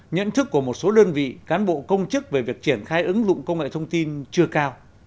nhận thức của một số đơn vị cán bộ công chức về việc triển khai ứng dụng công nghệ thông tin chưa cao